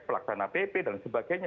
pelaksana pp dan sebagainya